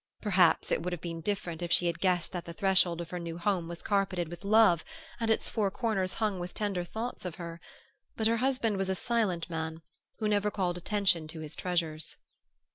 Perhaps it would have been different if she had guessed that the threshold of her new home was carpeted with love and its four corners hung with tender thoughts of her; but her husband was a silent man, who never called attention to his treasures.